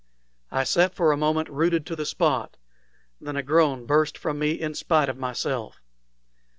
I sat for a moment rooted to the spot; then a groan burst from me in spite of myself.